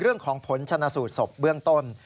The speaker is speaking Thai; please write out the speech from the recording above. เรื่องของผลชนะสูตรศพเบื้องต้น